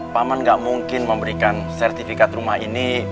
paman nggak mungkin memberikan sertifikat rumah ini